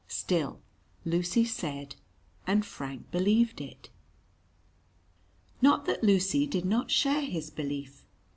Still, Lucy said and Frank believed it. Not that Lucy did not share his belief.